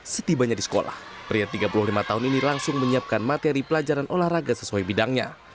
setibanya di sekolah pria tiga puluh lima tahun ini langsung menyiapkan materi pelajaran olahraga sesuai bidangnya